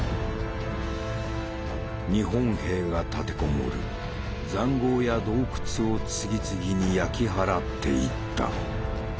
日本兵が立て籠もる塹壕や洞窟を次々に焼き払っていった。